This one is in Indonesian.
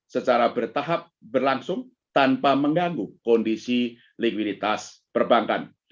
secara bertahap berlangsung tanpa mengganggu kondisi likuiditas perbankan